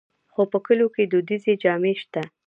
خو په کلیو کې دودیزې جامې شته.